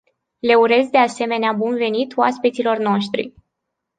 Le urez de asemenea bun venit oaspeților noștri.